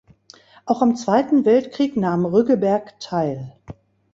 Auch am Zweiten Weltkrieg nahm Rüggeberg teil.